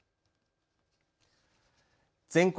全国